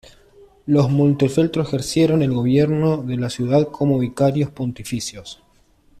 Los Montefeltro ejercieron el gobierno de la ciudad como vicarios pontificios.